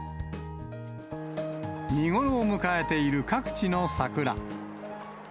見頃を迎えている各地の桜。